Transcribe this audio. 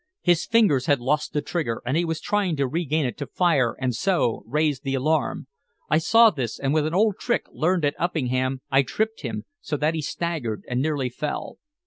His fingers had lost the trigger, and he was trying to regain it to fire and so raise the alarm. I saw this, and with an old trick learned at Uppingham I tripped him, so that he staggered and nearly fell.